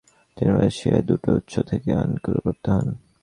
তিনি রাশিয়ায় দুটো উৎস থেকে আনুকূল্য প্রাপ্ত হন।